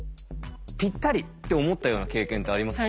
ぴったりって思ったような経験ってありますか？